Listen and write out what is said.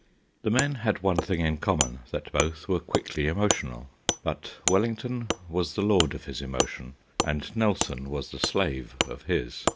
The men had one thing in common, that both were quickly emotional; but Wellington was the lord of his emotion, and Nelson was the slave of his.